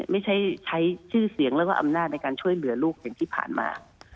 ไม่ใช่ใช้ชื่อเสียงแล้วก็อำนาจในการช่วยเหลือลูกอย่างที่ผ่านมา